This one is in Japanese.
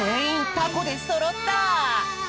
「タコ」でそろった！